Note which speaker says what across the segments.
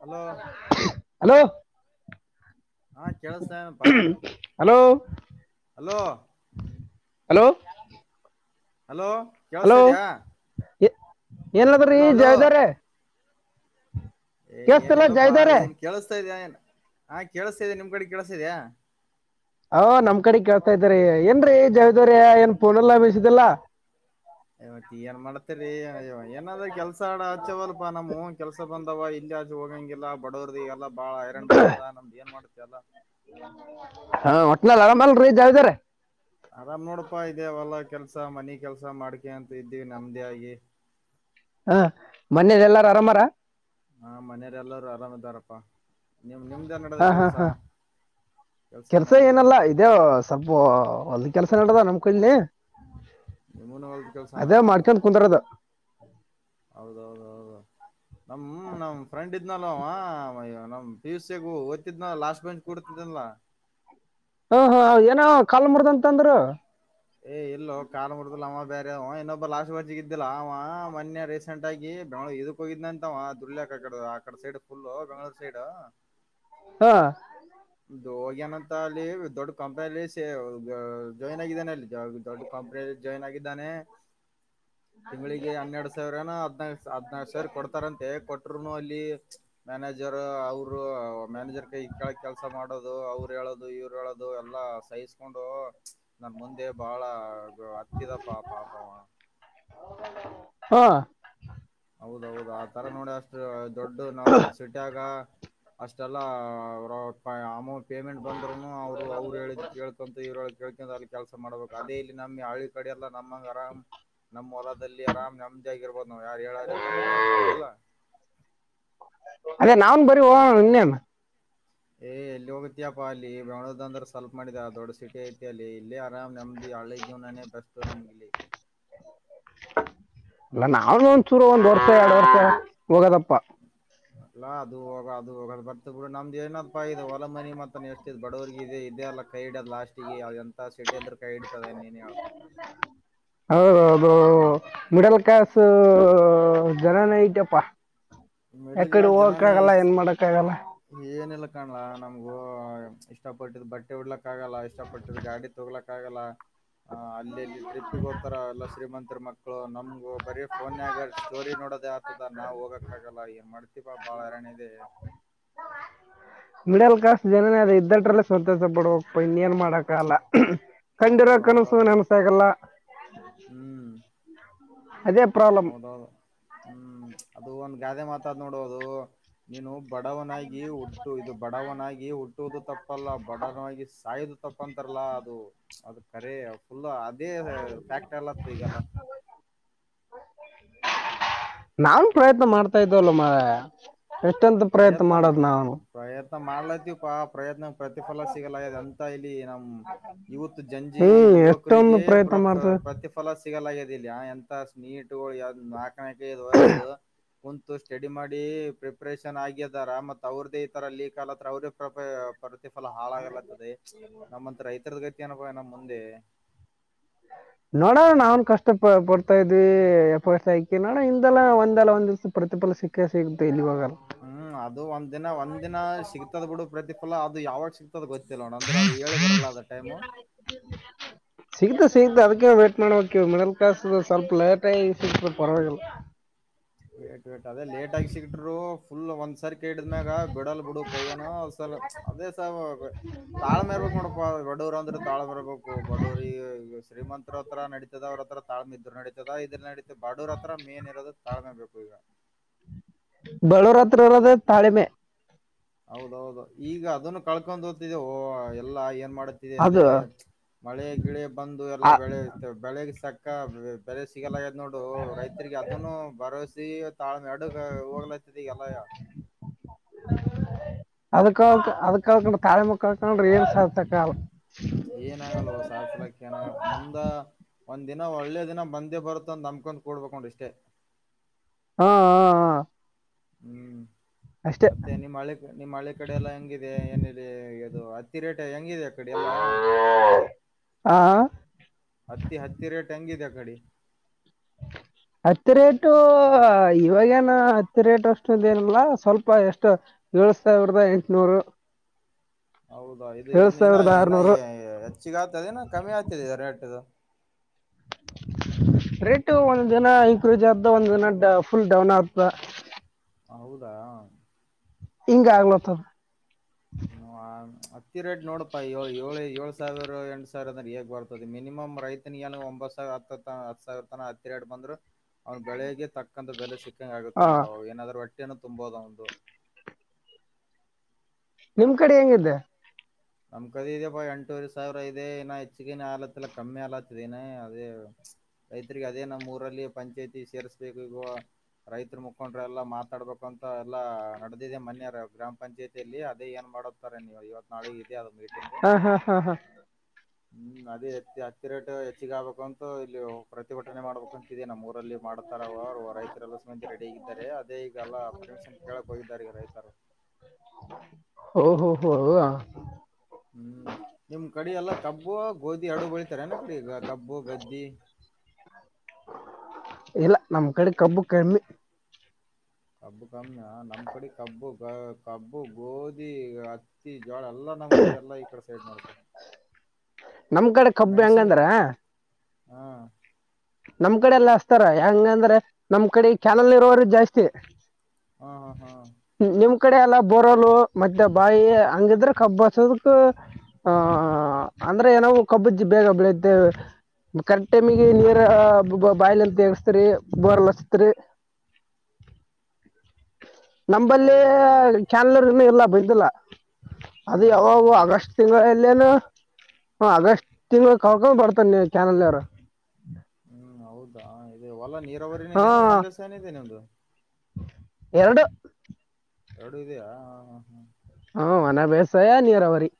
Speaker 1: Hello
Speaker 2: hello
Speaker 1: ಹಾ ಕೆೇಳ್ಸತನಪ್ಪಾ
Speaker 2: hello
Speaker 1: hello
Speaker 2: hello
Speaker 1: hello ಕೇಳ್ಸ್ತಾ ಇದಿಯಾ
Speaker 2: ಏನಾದ್ರೀ ಜಾಯ್ದರ್ರೆ
Speaker 1: ಹೇ ಏನೀಲ್ಲಪ್ಪಾ
Speaker 2: ಜಯದವ್ರೆ
Speaker 1: ಏನ್ ಕೇಳಿಸ್ತಾ ಇದ್ಯಾ ಏನ್ ಹಾ ಕೆೇಳ್ಸ್ತಿದೆ ನಿಮ್ ಕಡೆ ಕೆೇಳ್ಸ್ತಿದ್ಯ
Speaker 2: ಹಾ ನಮ್ ಕಡೆ ಕೇಳ್ತಾ ಇದೆ ರೀ ಏನ್ರೀ ಜಾಯ್ದರ್ರೆ ಏನ್ ಪೋನಿಲ್ಲ ಮೇಸೆದ್ದಿಲ್ಲಾ
Speaker 1: ಇವತ್ ಏನ್ ಮಾಡತಿರಿ ಏನಾದ್ರ ಕೆಲ್ಸಾ ಆಡ ಆಚವಲ್ಪಾ ನಮ್ಮ ಕೆಲ್ಸ ಬಂದವ ಇಲ್ಲಿ ಹೊಗಂಗಿಲ್ಲ ಬಡವರ್ದ ಎಲ್ಲ ಬಾಳ ಹೈರಾಣ ಬಿದ್ದದ ನಮ್ದ ಏನ್ ಮಾಡ್ತ ಎಲ್ಲಾ
Speaker 2: ಹಾ ಒಟ್ನಲ್ ಆರಾಮಲ್ ರೀ ಜಾಯ್ದರೆ
Speaker 1: ಆರಾಮ್ ನೋಡಪಾ ಇದೇ ಹೂಲ ಕೆಲ್ಸ ಮನಿ ಕೆಲ್ಸ ಮಾಡ್ಕೆಂತ್ ಇದೀವಿ ನೆಮ್ದಿಯಾಗಿ
Speaker 2: ಹಾ ಮನೆಲೆಲ್ಲರ ಆರಾಮಾರ
Speaker 1: ಹಾ ಮನೆಯರೆಲ್ಲರೂ ಆರಾಮ್ ಅದರಪ್ಪಾ ನಿಮ್ ನಿಮ್ದ್ ಏನ ನಡದದ ಕೆಲ್ಸ ಏನ್
Speaker 2: ಕೆಲ್ಸ
Speaker 1: ನಡದೆ
Speaker 2: ಏನಲ್ಲ ಇದೆ ಸ್ವಲ್ಪ ಹೊಲದಕೆಲ್ಸ ನಡದ ನಮ್ ಕಡ್ ಲೇ
Speaker 1: ನಿಮ್ಮೂನು ಹೊಲ್ದ ಕೆಲ್ಸನಾ
Speaker 2: ಅದೇ ಮಾಡ್ಕನ್ ಕುಂದರದ [inaudible]
Speaker 1: ಹೌದೌದ್ ಹೌದು ನಮ್ ನಮ್ ಫ್ರೆಂಡ್ ಇದ್ನಲ್ಲ ಅವ ಅವ ಯಾ ನಮ್ ಪಿ ಯು ಸಿಯಾಗು ಓದ್ತಿದ್ನಲ್ಲ ಲಾಸ್ಟ್ [unintelligible] ಕೊಡ್ತದಲ್ಲ
Speaker 2: ಹಾ ಹಾ ಏನ ಕಾಲ್ ಮಾಡ್ದ ಅಂತ ಅಂದ್ರು
Speaker 1: ಹೇ ಎಲ್ಲೋ ಕಾಲ ಮುರ್ದಿಲ್ಲ ಅವ ಬ್ಯಾರೆ ಇನ್ನೊಬ್ಬ ಲಾಸ್ಟ್ ವರ್ಜಗ ಇದ್ದಾ ಅವ ಮೊನ್ಯ ರೀಸೆಂಟ್ ಆಗಿ ಬೆಂಗಳೂರ್ ಇದಕ್ ಹೋಗಿದ್ನ ಅಂತ ದುಡಲೆಕ ಆಕಡ ಆಕಡ ಸೈಡ್ ಫುಲ್ ಬೆಂಗಳೂರ್ ಸೈಡ್
Speaker 2: ಹಾ
Speaker 1: ಇದು ಹೋಗ್ಯನಂತ ಅಲ್ಲಿ ದೊಡ್ಡ ಕಂಪನಿಯಲ್ಲಿ ಸೇ ಜಾಯಿನ್ ಆಗಿದ್ದಾನೆ ಅಲ್ಲಿ ದೊಡ್ಡ ಕಂಪನಿಯಲ್ಲಿ ಜಾಯನ್ ಆಗಿದ್ದಾನೆ. ತಿಂಗಳಿಗೆ ಹನ್ನೆರಡು ಸಾವಿರೇನೋ ಹದನಾರ್ ಹದ್ನಾರ ಕ ಸಾವಿರ ಕೊಡ್ತಾರಂತೆ ಕೊಟ್ರುನು ಅಲ್ಲಿ ಮ್ಯಾನೇಜ ರ ಅವರು ಮ್ಯಾನೇಜರ್ ಕೈ ಕೆಳಗ ನೋಡದು ಅವ್ರು ಹೇಳೋದು ಇವ್ರು ಹೇಳೋದು ಎಲ್ಲ ಸಹಿಸ್ಕೊಂಡು ಹ [unintelligible] ನನ್ ಮುಂದೆ ಬಹಳ ಅತ್ತಿದ ಪಾ ಪಾಪವ
Speaker 2: ಹಾ
Speaker 1: ಹೌದೌದು ಆ ತರ ನೋಡಿ ಅಷ್ಟ ದೊಡ್ಡ ನಾವು ಸಿಟಾಗ ಅಷ್ಟೆಲ್ಲ ಅವ್ರಅವಪ ಅಮೌಂಟ್ ಪೇಮೆಂಟ್ ಬಂದ್ರುನು ಅವರು ಅವ್ರು ಹೇಳಿದ ಕೇಳ್ಕಂತು ಇವ್ರೊಳಗೆ ಕೇಳ್ಕಂತ ಅಲ್ಲಿ ಕೆಲಸ ಮಾಡ್ಬೇಕು ಅದೇ ಇಲ್ಲಿ ನಮ್ಮ ಹಳ್ಳಿ ಕಡ ಎಲ್ಲ ನಮ್ಮಂಗ ಆರಾಮ್ ನಮ್ ಹೊಲದಲ್ಲಿ ಅರಾಮ್ ನೆಮ್ಮದ್ಯಾಗಿ ಇರಬಹದು ನಾವು ಯಾರು ಹೇಳ ಕೆಳರದ ಹವುದೀಲ್ಲ
Speaker 2: ಅದೇ ನಾವನ್ ಬರೀ ಹೋಗೋಣ ಇನ್ನೇನ್
Speaker 1: ಏ ಎಲ್ಲಿ ಹೋಗತಪ್ಪಾ ಅಲ್ಲಿ ಬೆಂಗಳೂರಂದ್ರ ಸ್ವಲ್ಪ ಮಾಡಿದ ದೊಡ್ ಸಿಟಿ ಐತಿ ಅಲ್ಲಿ ಇಲ್ಲೆ ರಾಮ್ ನೆಮ್ಮದಿ ಹಳ್ಳಿ ಜೀವನಾನ ಬೆಸ್ಟ ನಮಗಿಲ್ಲಿ
Speaker 2: ಅಲ್ಲ ನಾವ ಒಂದ್ ಚೂರು ಒಂದ್ ವರ್ಷ ಎರಡು ವರ್ಷ ಹೋಗದಪ್ಪಾ
Speaker 1: ಅಲ್ಲಾ ಅದು ಹೋಗ ಅದು ಹೋಗದ ಬರ್ತ ಬಿಡು ನಮ್ದ ಏನಾದ್ಪಯಿದು ಇದೆ ಹೊಲ ಮನಿ ಮತ್ತ ಎಷ್ಟ್ ಬಡುರ್ಗೆ ಇದೆ ಇದೆ ಅಲ್ಲ ಕೈ ಹಿಡೋದ ಲಾಸ್ಟಿಗೆ ಅವೇಂತ ಸಿಟೇಂದ್ರು ಕೈ ಹಿಡತವೆನ್ ನೀನೆ ಹೇಳು
Speaker 2: ಹೌದು ಮಿಡಲ್ ಕ್ಲಾಸ್ ಜನನ ಇಟೇಪ್ಪಾ
Speaker 1: ಮಿಡ್ಲ್ ಕ್ಲಾಸ್ ಜನಾನೇ ಇಸ
Speaker 2: ಮಾಡಕ್ಕಾಗಲ್ಲ
Speaker 1: ಏನಿಲ್ಲ ಕಾಣ್ಲ ನಮ್ಗೂ ಇಷ್ಟಪಟ್ಟಿದ್ದು ಬಟ್ಟೆ ಉಡ್ಲಕ್ ಗಲ್ಲ ಇಷ್ಟಪಟ್ಟು ಗಾಡಿ ತೊಗಲಕ್ಕ ಕಾಗಲ್ಲ ಆ ಅಲ್ಲಿಲ್ಲಿ ಟ್ರಿಪ್ಪಿಗ ಹೋತಾರ ಎಲ್ಲ ಶ್ರೀಮಂತರ ಮಕ್ಕಳು ನಮ್ಗು ಬರೀ ಫೋನ್ಯಾಗ ಸ್ಟೋರಿ ನೋಡೋದ ಆತ್ ತದ ನಾವು ಹೋಗ ಕಾಗಲ್ಲ ಏನ್ ಮಾಡ್ತೀಪಾ ಬಾಳ ಹೈರಾಣ ಇದೆ
Speaker 2: ಮಿಡಲ್ ಕ್ಲಾಸ್ ಜನನೇ ಅದ ಇದ್ದಂಟ್ರಲ್ಲೇ ಸಂತೋಷ ಪಡಬೆಕ್ಪ ಇನ್ನೇನ್ ಮಾಡಾಕಲ್ಲ ಕಂಡಿರೋ
Speaker 1: ಹೌದೌದ
Speaker 2: ಕನಸು
Speaker 1: ಅದು
Speaker 2: ನನಸ ಆಗಲ್ಲ
Speaker 1: ಹೌದೌದ ಹ್ಮ್ ಅದು ಒಂದ ಗಾದೆ ಮಾತಾದ ನೋಡೊ ಅದು ನೀನು ಬಡವನಾಗಿ ಹುಟ್ಟು ಇದು ಬಡವನಾಗಿ ಹುಟ್ಟುವುದು ತಪ್ಪಲ್ಲ ಬಡವನಾಗಿ ಸಾಯ್ದ ತಪ್ಪಂತಾರಲ್ಲಾ ಅದು ಅದ ಅರೆ ಫಲ್ಲ ಅದೇ ಫ್ಯಾಕ್ಟ್ ಎಲ್ಲತ್ತ ಈಗಲ್ಲ
Speaker 2: ನಾವ ಪ್ರಯತ್ನ ಮಾಡ್ತಾ ಇದ್ದವಲ್ಲಮ್ಮರ ಎಷ್ಟೆಂತ ಪ್ರಯತ್ನ ಮಾಡೋದ್ ನಾವ
Speaker 1: ಮಾಡ್ಲತಿವಿ ಪಾ ಆ ಪ್ರಯತ್ನ ಪ್ರತಿಫಲ ಸಿಗಲಾಗಿದೆ ಅಂತ ಇಲ್ಲಿ ನಮ್ಮ ಇವತ್ತು ಜಂಜಿ
Speaker 2: ಹ್ಮ್ ಎಷ್ಟೊಂದು
Speaker 1: ಯುವಕರಿಗೆ ಪ್ರ
Speaker 2: ಪ್ರಯತ್ನ ಮಾಡ್ತೀವಿ
Speaker 1: ಪ್ರತಿಫಲ ಸಿಗಲಾಗಿದೆ ಎಂತ ಸ್ ನೀಟ್ಗಳು ಯ್ದ ನಾ ಕಕ್ಕೆ ಇದು ವರ್ಸು ಕುಂತು ಸ್ಟಡಿ ಮಾಡಿ ಪ್ರ ಆಪರೇಷನ್ ಆಗಿದಾರ ಮತ್ತ ಅವ್ರ್ದೇ ಈ ತರ ಲೀಕ್ಲ ಹತ್ರ ಅವ್ರೇ ಪ್ರೊ ಪ್ರತಿಫಲ ಹಾಳಾಗಲತ್ತದೆ ನಮ್ಮಂತ ರೈತರದ ಏನಪ್ಪ ನಮ್ ಮುಂದೆ
Speaker 2: ನೋಡ ನ ಕಷ್ಟ ಪ ಪಡ್ತಾ ಇದ್ವಿ ಎಫೋಸ್ ಆಯಕಿ ನೋಡ ಇದೆಲ್ಲ ಒಂದೆಲ್ಲ ಒಂದ ದಿವಸ ಪ್ರತಿಫಲ ಸಿಕ್ಕ ಸಿಗುತ್ತೆ ಇಲ್ಲಿವಾಗ
Speaker 1: ಹ್ಮ್ ಅದು ಒಂದ್ ದಿನ ಒಂದ್ ದಿನ ಸಿಗ್ತದ್ ಬಿಡು ಪ್ರತಿಫಲ ಅದು ಯಾವಾಗ ಸಿಗ್ತ ತದಗ ಲಣ ಅಂದ್ರ ಅದು ಏಳು ಬರಲ್ಲಾದ ಟೈಮು
Speaker 2: ಸಿಗ್ತ ಸಿಗತ ಅದಕ್ಕೆ ವೇಟ್ ಮಾಡ್ಬೇಕಕ ಮಿಡಲ್ ಕ್ಲಾಸ್ ಸ್ವಲ್ಪ ಲೇಟಗ ಸಿಗ್ತ ಪರವಾಗಿಲ್ಲ
Speaker 1: [inaudible] ಲೆಟ್ ಅದೇ ಲೇಟಾಗಿ ಸಿಟ್ರು ಫಳ್ಳ ಒನ್ಸ್ ಸರ್ ಕ್ಮ್ಯಾಗ ಬಿಡಲ್ ಬಿಡು ಕೈಯ್ಯನು ಸಲ್ ಅದೇ ಸ ತಾಳ್ಮೆ ಇರ್ಬೇಕಕ್ ನೋಡಪ ಬಡೂರು ಅಂದ್ರೆ ತಾಳ್ಮ ಬರರ್ಬೇಕು ಬಡೂರಿ ಶ್ರೀಮಂತತ್ತ್ರರ ನಡಿತತದ ಅವ್ರತ್ರ ತಾಳ್ಮೆ ಇದ್ರು ನಡಿತ ಜದಾ ಇದ ನಡಿ ಬಡರ್ ಹತ್ರೇನ್ ಮೆನ್ ಇರೋದು ತಾಳ್ಮೆ ಬೇಕು ಈಗ
Speaker 2: ಬಡೋರಾತ್ರಿ ಅರದ ತಾಳ್ಮೆ
Speaker 1: ಹೌದೌದು ಈಗ ಅದನ್ನು ಕಳ್ಕೊಂಡ್ ತಿದೆ ಎಲ್ಲಾ ಏನ್ ಮಾಡ ಅಲ್ಲಿ
Speaker 2: ಅದು
Speaker 1: ಮಳೆ ಗಿಳಿ ಬಂದು ಎಲ್ಲ
Speaker 2: ಆ-
Speaker 1: ಬೆಳೆ ಇತ ಬೆಳಗ್ ಸ ಬೇರೆ ಸಿಗಲ ನೋಡು ರೈತರಿಗೆ ಅದನ್ನು ಭರವಾಸೆ [unintelligible] ತಾಳ್ಮೆ ಅಡುಗೆ ಹೋಗ್ಲತತಿ ಎಲ್ಲಯ
Speaker 2: ಅದ ಕಾಲ ಅದ ಕಾ ಕಂಡ್ರೆ ತಾಳೆ ಮಕ್ಕಳ ಕಂಡ್ರೆ ಏನ್ ಸಾರ್ಥಕದ
Speaker 1: ಏನಾಗಲ್ ಸಾಸಲಕ್ಕೆನೋ ಏನಾಗ ಮುಂದ ಒಂದ್ ದಿನ ಒಳ್ಳೆ ದಿನ ಬಂದೇ ಬರುತ್ತ ಅಂದು ನಂಬಕೊಂಡ್ ಕೂಡ್ಬೇಕಂಡ್ ಇಷ್ಟೇ
Speaker 2: ಹಾ ಹಾ ಹ
Speaker 1: ಹ್ಮ್ ಮತ್ತೆ ನಿಮ್ಮ್ ಹಳೆ ನಿಮ್ಮ್ ಹಳೆ ಕಡೆ ಎಲ್ಲ ಹೆಂಗಿದೆ ಏನಿದೆ ಅದು ಅತ್ತಿ ರೇಟ ಹೆಂಗ್ ಹೆಂಗಿದೆ ಆ ಕಡಿ ಎಲ್ಲ
Speaker 2: ಆ
Speaker 1: ಹತ್ತಿ ಹತ್ತಿ ರೇಟ್ ಹೆಂಗಿದೆ ನಡಿ
Speaker 2: ಹತ್ತಿ ರೇಟು ಇವಾಗೇನ ಹತ್ತಿ ರೇಟ್ ಅಷ್ಟೊಂದೇನಲ್ಲ ಸ್ವಲ್ಪ ಎಷ್ಟು ಏಳ್ ಸಾವಿರದ ಎಂಟನೂರು
Speaker 1: ಹೌದಾ ಇದು ಇನ್ನ ಇನ್ನ ಹೆಚ್ಚಿಗ ಆಗ್ತದೆನ ಕಮ್ಮಿ ಆಗ್ತದೆ ಇದು ರೇಟ್ ಇದು
Speaker 2: ರೇಟು ಒಂದ್ ದಿನ ಇಂಕ್ರೀಜ್ ಆದ್ದ ಒಂದ್ ದಿನ ಫುಲ್ ಡೌನ್ ಆದ್ದ
Speaker 1: ಹೌದಾ
Speaker 2: ಹಿಂಗ್ ಆಗ್ಲತ
Speaker 1: [unintelligible] ಹತ್ತಿ ರೇಟ್ ನೋಡಪ್ಪಾ ಇವಾಗ್ ಏಳ್ ಏಳು ಸಾವಿರ ಎಂಟ ಸಾವಿರದ ಹೇಗ್ ಬರ್ತದೆ ಮಿನಿಮಮ್ ರೈತನಿಗ್ ಒಂಬತ್ ಸಾವಿರ ಹತ್ ಹತ್ ಸಾವಿರ ಹತ್ತಿ ರೇಟ್ ಬಂದ್ರು ಅವ್ನ್ ಬೆಳೆಗೆ ತಕ್ ಒಂದು ಬೆಲೆ ಸಿಕ್ ದಂಗ್ ಆಗುತ್ತೆ
Speaker 2: ಹಾ
Speaker 1: ನೋಡು ಅವಾಗ ಏನಾದ್ರು ಒಟ್ಟ್ ಹೊಟ್ಟೇನು ತುಂಬವುದು ಅವಂದು
Speaker 2: ನಿಮ್ ಕಡೆ ಹೆಂಗಿದೆ
Speaker 1: ನಮ್ ಕಡೇ ಇದೆ ಬಾ ಎಂಟೂವರೆ ಸಾವಿರ ಇದೆ ಇನ ಹೆಚ್ಚಗಿನ ಆಲತ್ತಲ್ಲ ಕಮ್ಮಿ ಆಲತ್ತದೆ ನ ಅದೇ ರೈತ್ರಿಗೆ ಅದೇ ನಮ್ಮ್ ಊರಲ್ಲಿ ಪಂಚಾಯತಿ ಸೇರ್ಸ್ಬೇಕು ಈಗೋ ರೈತ್ ಮುಖಂಡ್ರ ಎಲ್ಲಾ ಮಾತಾಡ್ಬೇಕ ಅಂತ ಎಲ್ಲಾ ನಡೆದಿದೆ ಮೊನ್ನೆಯೆಲ್ಲಾ ಗ್ರಾಮ ಪಂಚಾಯತಿಯಲ್ಲಿ ಅದೇ ಏನ್ ಮಾಡತಾರೆ ನೀವು ಇವತ್ ನಾಳ ಇದೆ ಅದು ಮೀಟಿಂಗ್
Speaker 2: ಹಾ ಹಾ ಹಾ ಹಾ
Speaker 1: ಹ್ಮ್ ಅದ ಎತ್ತಿ ಹತ್ತಿ ರೇಟ್ ಹೆಚ್ಚಿಗೆ ಆಗ್ಬೇಕಂತೂ ಇಲ್ಲಿ ಪ್ರತಿಭಟನೆ ಮಾಡ್ಬೇಕಾಂತಿದೆ ನಮ್ಮ್ ಊರಲ್ಲಿ ಮಾಡ್ತಾರ ಅವ ಅವರು ರೈತರೆಲ್ಲ ಸೇರಿ ರೆಡಿ ಆಗಿದ್ದಾರೆ ಅದೇ ಈಗಲ್ಲ ಪರ್ಮಿಷನ್ ಕೇಳಕ್ ಹೋಗಿದ್ದಾರೆ ಈಗ ರೈತರು
Speaker 2: ಓಹೋ ಹೋ ಹೌದ
Speaker 1: ಹ್ಮ್ ನಿಮ್ ಕಡೆ ಎಲ್ಲ ಕಬ್ಬು ಗೋಧಿ ಎರಡು ಬೆಳಿತಾರೆ ಏನ ಕಡೆ ಈಗ ಕಬ್ಬು ಗದ್ದಿ
Speaker 2: ಇಲ್ಲ ನಮ್ಮ್ ಕಡೆ ಕಬ್ಬು ಕಮ್ಮಿ
Speaker 1: ಕಬ್ಬು ಕಮ್ಯಾ ನಮ್ ಕಡೆ ಕಬ್ಬು ಕಬ್ಬು ಗೋಧಿ ಹತ್ತಿ ಜೋಳ ಎಲ್ಲಾ ನಮ್ಮ್ ಕಡೆ ಎಲ್ಲಾ ಈ ಕಡೆ ಸೈಡ್ ನೋಡಪ್ಪ
Speaker 2: ನಮ್ ಕಡೆ ಕಬ್ಬು
Speaker 1: ಮೆಣಸಿನ್
Speaker 2: ಹೆಂಗಂದ್ರ
Speaker 1: ಹಾ
Speaker 2: ನಮ್ ಕಡೆ ಎಲ್ಲ ಹಚ್ತಾರ ಹೆಂಗಂದ್ರೆ ನಮ್ ಕಡೆ ಕಾನಲ್ ಇರೋರು ಜಾಸ್ತಿ
Speaker 1: ಹಾ ಹಾ
Speaker 2: ನಿಮ್ ಕಡೆ ಎಲ್ಲ ಬೋರಲು ಮತ್ತೆ ಬಾಯಿ ಹಂಗಿದ್ರೆ ಕಬ್ಬಸದಕ್ ಆ ಅಂದ್ರೆ ಏನೋ ಕಬ್ಬು ಬೇಗ ಬೆಳೆಯುತ್ತೇವೆ ಕರೆಕ್ಟ್ ಟೈಮಿಗೆ ನೀ ಬಾಯಲ ಅಂತ ತೇಗಸ್ತರಿ ಬೋರಲ್ ಹಚ್ಚಿತೀರಿ ನಂಬಲ್ಲಿ
Speaker 1: ಹೌದೌದೌದು
Speaker 2: ಕಾನಲ್ರು ಇಲ್ಲ ಬೈದಿಲ್ಲ ಅದು
Speaker 1: ಹ್ಮ್ ಹ್ಮ್
Speaker 2: ಯಾವಾಗೋ
Speaker 1: ಹ್ಮ್
Speaker 2: ಆಗಸ್ಟ್ ತಿಂಗಳಲ್ ಇಲ್ಲೇನು ಅಗಸ್ಟ್ ತಿಂಗಳ ಕಳ್ಕೊಂಡ್ ಬರ್ತಾನ ನೀ ಚಾನದಲ್ರು. ಹಾ
Speaker 1: ಬೋರರಿನ ಒಣ ಬೇಸಾನೇನ ಇದೇ ನಿಂದು.
Speaker 2: ಎರಡು
Speaker 1: ಎರಡು ಇದೆಯಾ ಹ ಹ್ಮ
Speaker 2: ಹ ಒಣ ಬೇಸಾಯ ನೀರಾವರಿ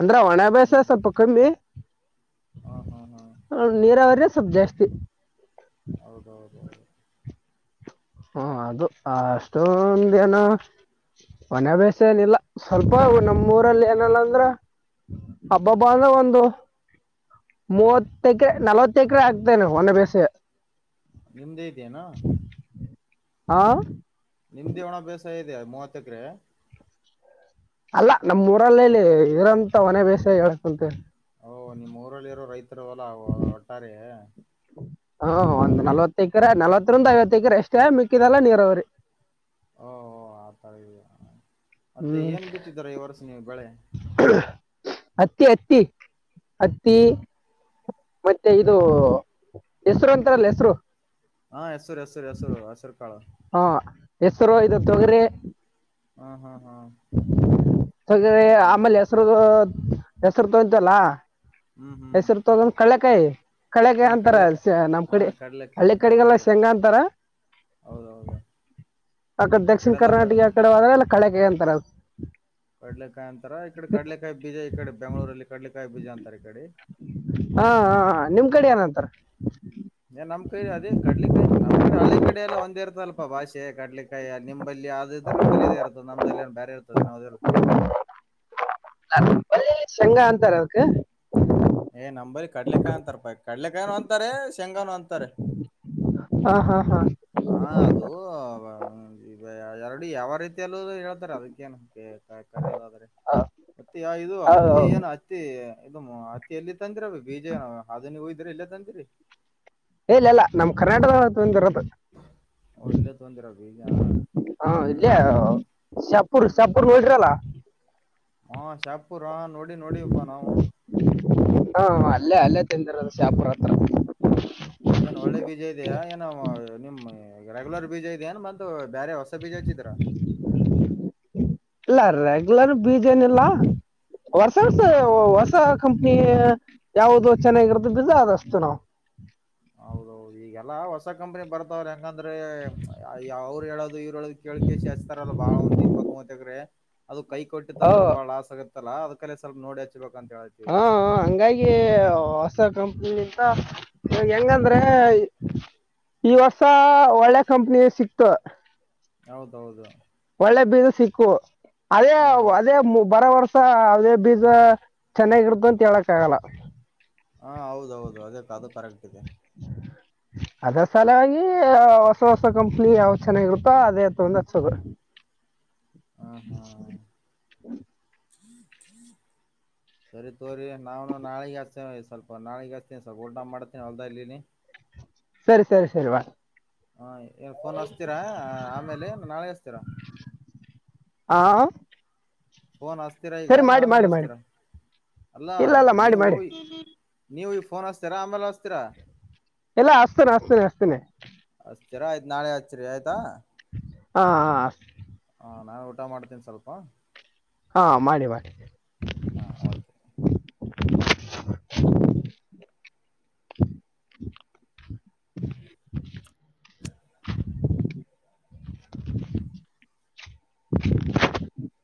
Speaker 2: ಅಂದ್ರೆ ಒಣ ಬೇಸಾಯ ಸ್ವಲ್ಪ ಕಮ್ಮಿ,
Speaker 1: ಹ್ಮ ಹ್ಮ್
Speaker 2: ಸ್ವಲ್ಪ್ ಜಾಸ್ತಿ
Speaker 1: ಹೌದೌದೌದು
Speaker 2: ಹ ಅದು ಅಷ್ಟೊಂದ ಏನು ಒಣ ಬೇಸಯ ಏನಿಲ್ಲ ಸ್ವಲ್ಪ ನಮ್ಮೂರಲ್ಲಿ ಏನಲ್ಲ ಅಂದ್ರ ಅಬ್ಬಬ್ಬಾ ಅಂದ್ರ ಒಂದು ಮೂವತ್ತ ಎಕರೆ ನಲ್ವತ್ತು ಎಕರೆ ಆಗ್ತೇನೆ ಒನ್ ಬೇಸಾಯ
Speaker 1: ನಿಮ್ದೇ ಇದೆ ಎನು?
Speaker 2: ಹಾ
Speaker 1: ನಿಮ್ದೇ ಒಣ ಬೇಸಾಯ ಇದೆ ಮೂವತ್ತಕ್ರೆ.
Speaker 2: ಅಲ್ಲ ನಮ್ಮ್ ಊರಲ್ಲಲ್ಲಿ ಇರಂತ ಒನ್ ಬೇಸಾಯ ಹೇಳ್ಕುಂತ
Speaker 1: ಓಹ ನಿಮ್ಮ್ ಊರಲ್ಲಿರೋ ರೈತರು ಹೋಲ್ಲಾ ಒಟ್ಟಾರೆಯೆ
Speaker 2: ಹಾ ಒಂದ್ ನಲವತ್ತ ಎಕರೆ ನಲ್ವತ್ತರಿಂದ ಐವತ್ತು ಎಕರೆ ಎಷ್ಟೇ ಮಿಕ್ಕಿದೆಲ್ಲ ನೀರವರಿ.
Speaker 1: ಓ ಹ ಆತಳ ಮತ್ತೆ
Speaker 2: ಹ್ಮ್
Speaker 1: ಏನ್ ಬಿತ್ತಿದಾರ ಈ ವರ್ಷ ನೀವು ಬೆಳೆ
Speaker 2: ಹತ್ತಿ ಹತ್ತಿ ಹತ್ತಿ ಮತ್ತೆ ಇದು ಹೆಸರು ಅಂತಾರಲ್ಲ ಹೆಸರು.
Speaker 1: ಹಾ ಎ ಹ ಸರಿ ಅಸ ಸರಿ ಹೆಸರು ಹೆಸರ್ ಕಾಳ
Speaker 2: ಹಾ ಹೆಸರು ಇದ ತೊಗರಿ
Speaker 1: ಹಾ ಹಾ ಹ್
Speaker 2: ಹಾಗೆ ಆಮೇಲೆ ಹೆಸರು ಹೆಸರ ತೊತಿವಲ್ಲಾ
Speaker 1: ಹ್ಮ್ ಹ್ಮ್
Speaker 2: ಹೆಸರು ತಗೊಂಡ್ ಕಳೆ [unintelligible] ಕಳಗಾಯಿ
Speaker 1: ಹಾ
Speaker 2: ಅಂತಾರ
Speaker 1: ಕಡ್ಲೆಕಾಯಿ
Speaker 2: ನಮ್
Speaker 1: ಹಾ
Speaker 2: ಕಡೆ
Speaker 1: ಕಡ್ಲೆಕಾಯಿ
Speaker 2: ಹಳ್ಳಿ ಕಡೆಗೆಲ್ಲ
Speaker 1: ಹೌದೌದು
Speaker 2: ಶೇಂಗಾ ಅಂತಾರ.
Speaker 1: ಹೌದೌದು
Speaker 2: ಅಕ್ಕಡೆ
Speaker 1: ಆ
Speaker 2: ದಕ್ಷಿಣ
Speaker 1: ಕಡೆ ಎಲ್ಲ
Speaker 2: ಕರ್ನಾಟಕ ಅಕಡೆದಾಗಲ್ಲ ಕಳೆಕಾಯಿ ಅಂತರ ಅದು
Speaker 1: ಕಡಲೆಕಾಯಿ ಅಂತಾರ ಈ ಕಡೆ ಕಡ್ಲೆಕಾಯಿ ಬೀಜ ಈ ಕಡೆ ಬೆಂಳೂರಲ್ಲಿ ಕಡಲೆಕಾಯಿ ಬೀಜ ಅಂತಾರೆ ಈ ಕಡೆ
Speaker 2: ಹಾ ಹಾ ಹಾ. ನಿಮ್ ಕಡೆ ಏನಂತಾರ,
Speaker 1: ಏ ನಮ್ ಕೈ ಅದೇ ಕಡ್ಲೆಕಾಯಿನ ನಮ್ ಕಡೆ ಹಳ್ಳಿ ಕಡೆ ಎಲ್ಲ ಒಂದ ಇರ್ತಲ್ಪಾ ಭಾಷೆ ಕಡ್ಲೆಕಾಯಿ ನಿಮ ನಂಬಲ್ಲಿ ಅದು ಇದ್ರೆ ನಂಬಲ್ಲಿ ಇದೇ ಇರ್ತದೆ ನಮ್ದಲ್ಲಿ ಬ್ಯಾರೆ ಇರ್ತದೆನ್ ಹೌದಿಲ್ಲ
Speaker 2: ಬೆಳ್ಳುಳ್ಳಿ ಶೇಂಗಾ ಅಂತಾರ ಅದಕ್.
Speaker 1: ಏ ನಮ್ಮ ಬಳ್ಳಿ ಕಡ್ಲೆಕಾಯಿ ಅಂತಾರ ಪಾ ಕಡ್ಲೆಕಾಯಿನು ಅಂತಾರೆ ಶೇಂಗಾನು ಅಂತಾರೆ.
Speaker 2: ಹಾ ಹಾ
Speaker 1: ಹಾ ಅದು ಎರಡು ಯಾವ ರೀತಿಯಲ್ಲಿ ಹೇಳ್ತಾರೆ ಅದಕ್ಕೇನ್ ಕರೆಯೋದಾದ್ರೆ ಮತ್ತೆ ಇದು ಹತ್ತಿ
Speaker 2: ಹೌದೌದು
Speaker 1: ಏನು ಹತ್ತಿ. ಇದು ಹತ್ತಿ ಇಲ್ಲಿ ತಂದಿರ ಬೀಜ ಅದು ನೀವು [inaudible] ಹೋದ್ರೆ ಇಲ್ಲೇ ತಂದಿರಿ.
Speaker 2: ಎಲ್ಲ ಅಲ್ಲಾ ನಮ್ ಕರ್ನಾಟಕದಾಗ ತೊಗೊಂಡಿರೊಡ್.
Speaker 1: ಓ ಇಲ್ಲೇ ತಂದಿರ ಬೀಜ
Speaker 2: ಹಾ
Speaker 1: ಹ್ಮ್ ಹ್ಮ್ ಹ್ಮ್
Speaker 2: ಇಲ್ಲಿ ಪುರ ಶಹಾಪುರ ಗ ಹೋಗಿದ್ದಿಅಲ್ಲಾ.
Speaker 1: ಹ ಶಾಹಪುರ್. ನೋಡಿ ನೋಡವಿ ಪಾ ನಾವು
Speaker 2: ಹಾ ಅಲ್ಲೇ ಅಲ್ಲೇ ತಂದಿರದು ಶಾಹಾಪುರ್ ಹತ್ರ
Speaker 1: ಏನ್ ಒಳ್ಳೆ ಈಗ ರೆಗ್ಯುಲರ್ ಬೀಜ ಇದೇ ಏನ್ ಮತ್ತ ಬೇರೆ ಹೊಸ ಬೀಜ ಅಂತಿದ್ರ
Speaker 2: ಇಲ್ಲ ರೆಗ್ಯುಲರ್ ಬೀಜ ಏನಿಲ್ಲ. ವರ್ಷ ವರ್ಷ
Speaker 1: ಹ್ಮ್
Speaker 2: ಹೊಸ ಕಂಪನಿ. ಯಾವವು ಚೆನ್ನಾಗಿರದ ಅಲಾ ಅದನ್ನ ಹಚ್ಚೇತೇವಿ ನಾವು.
Speaker 1: ಅಲ್ಲ ಹೊಸ ಕಂಪನಿ ಬರ್ತವ್ರ. ಹಾಂಗಂದ್ರೆ ಅವ್ರು ಹೇಳೋದು ಇವ್ರು ಹೇಳೋದು ಕೇಳ್ ಕಸಿ ಹಚ್ತಾರಲ್ಲ ಬಾಳ ಒಂದ್ ಇಪ್ಪತ್ ಮೂವತ್ ಎಕ್ರೆ. ಅದು ಕೈ ಕೊಟ್ಟಿತ
Speaker 2: ಹ
Speaker 1: ಅಂದ್ರೆ ಬಾಳ ಲಾಸ್ ಆಗತ್ತೆ. ಅಂತಾರಲ್ಲ ಅದ್ಕೇರ ಸ್ವಲ್ ನೋಡಿ ಹಚ್ಚಿ.
Speaker 2: ಹಾ ಹಾ ಹಂಗಾಗಿ ಹೊಸ. ಕಂಪ್ನಿಂತ ಹೆಂಗಂದ್ರೆ ಈ ವರ್ಷ ಒಳ್ಳೆ ಕಂಪ್ನಿ ಸಿಕ್ತು.
Speaker 1: ಹೌದೌದು
Speaker 2: ಒಳ್ಳೆ ಬೀಜ ಸಿಕ್ಕು ಅದೇ
Speaker 1: ಹ್ಮ್
Speaker 2: ಅದೇ ಬರೋ ವರ್ಷ ಹೊಸ ಅದೇ ಬೀಜ ಚೆನ್ನಾಗಿರುತ್ತ ಅಂತ ಹೇಳಕ್ ಆಗಲ್ಲ
Speaker 1: ಹಾ ಹೌದೌದು ಅದ ಅದು ಕರೆಕ್ಟ್ ಇದೆ.
Speaker 2: ಅದ ಸಲಾಗಿ ಹೊಸ ಹೊಸ ಕಂಪ್ನಿ ಯಾವ ಚೆನ್ನಾಗಿರುತ್ತೋ ಅದೇ ತಗೊಂಡ ಹಚ್ಚೋದ.
Speaker 1: ಹ್ಮ್ ಹ್ಮ್ ಸರಿ ತೊಗ್ರಿ ನಾನು ನಾಳಗ ಹಸ್ತೇನೆ ಸ್ವಲ್ಪ ನಾಳೆಗ ಹಸ್ತೀನಿ ಸ್ವಲ್ಪ ಊಟಾ ಮಾಡ್ತೀನಿ ಹೊಲ್ದಗ ಅದೇನಿ.
Speaker 2: ಸರಿ ಸರಿ ಸರಿ ಬ.
Speaker 1: ಹ ಫೋನ್ ಹಚ್ತೀರಾ ಆಮೇಲೆ ನಾಳೆಗ ಹಚ್ತೀರಾ
Speaker 2: ಹಾ
Speaker 1: ಫೋನ್ ಹಚ್ಚ್ತೀರಾ ಈಗ
Speaker 2: ಸರಿ ಮಾಡಿ
Speaker 1: ನಮೇಲೆ
Speaker 2: ಮಾಡಿ ಮಾಡಿ
Speaker 1: ಹಚ್ಚ್ತೀರಾ ಅಲ್ಲ
Speaker 2: ಇಲ್ಲ ಇಲ್ಲ ಮಾಡಿ
Speaker 1: ನೀವು
Speaker 2: ಮಾಡಿ
Speaker 1: ನೀವು. ಫೋನ್ ಹಚ್ಚಿತೀರಾ ಆಮೇಲೆ ಹಚ್ಚುತಿರ
Speaker 2: ಎಲ್ಲಾ ಹಚ್ಚಿತೀನಿ ಹಚ್ಚಿತೀನಿ ಹಚ್ಚಿತೀನಿ
Speaker 1: ಸರಿ ಆಯ್ತು ನಾಳೆ ಹಚ್ಚರಿ ಆಯ್ತಾ
Speaker 2: ಹಾ ಹ
Speaker 1: ಹಾಂ ನಾನು ಊಟ ಮಾಡ್ತೀನಿ ಸ್ವಲ್ಪ
Speaker 2: ಹಾ ಮಾಡಿ ಮಾಡಿ
Speaker 1: ಹಾ ಓಕೆ
Speaker 2: [unintelligible]